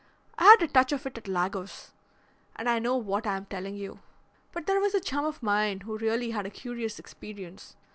I had a touch of it at Lagos, and I know what I am telling you. But there was a chum of mine who really had a curious experience.